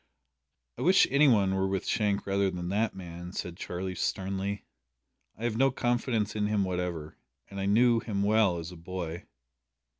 "I wish any one were with Shank rather than that man," said Charlie sternly; "I have no confidence in him whatever, and I knew him well as a boy."